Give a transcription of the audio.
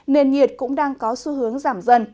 nên nhiệt cũng đang có xu hướng giảm dần